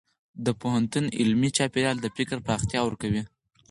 د پوهنتون علمي چاپېریال د فکر پراختیا ورکوي.